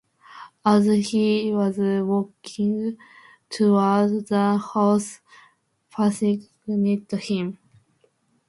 As he was walking toward the house, Phyllis met him.